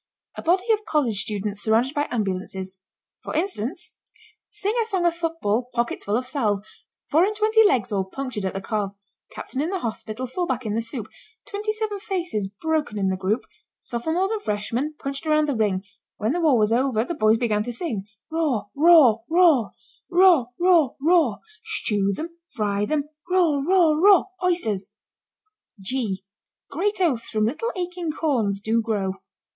A body of college students surrounded by ambulances. For instance: Sing a song of football Pockets full of salve; Four and twenty legs all Punctured at the calve. Captain in the hospital Fullback in the soup, Twenty seven faces Broken in the group. Sophomores and Freshmen Punched around the ring; When the war was over The boys began to sing! Raw! Raw! Raw! Raw! Raw! Raw! Stew them! Fry them! Raw! Raw! Raw! Oysters! [Illustration: "G The friends that Gold buys shake hands with two fingers."] Great oaths from little aching corns do grow.